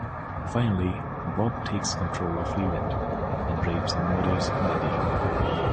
Finally, Bob takes control of Leland and rapes and murders Maddie.